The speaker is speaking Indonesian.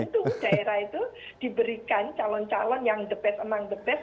dan tentu tentu daerah itu diberikan calon calon yang the best among the best